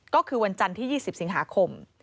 ก็คือวันจันทร์ที่๒๐สิงหาคม